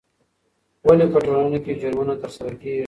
ولې په ټولنه کې جرمونه ترسره کیږي؟